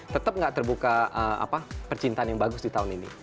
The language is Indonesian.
tetap nggak terbuka percintaan yang bagus di tahun ini